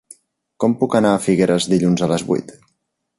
Com puc anar a Figueres dilluns a les vuit?